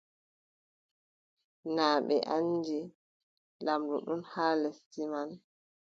Naa ɓe anndi lamɗo ɗon haa lesdi may ?